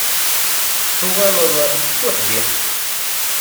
Tuɣaleḍ d tuḥdiqt.